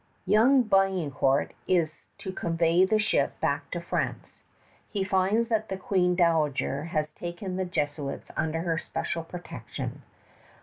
Young Biencourt is to convey the ship back to France. He finds that the Queen Dowager has taken the Jesuits under her especial protection.